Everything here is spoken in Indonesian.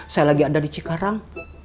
saya lagi ada di cikarang